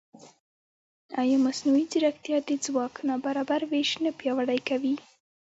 ایا مصنوعي ځیرکتیا د ځواک نابرابر وېش نه پیاوړی کوي؟